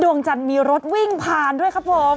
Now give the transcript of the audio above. ดวงจันทร์มีรถวิ่งผ่านด้วยครับผม